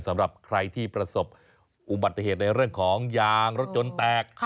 สำหรับใครที่ประสบอุบัติเหตุในเรื่องของยางรถยนต์แตก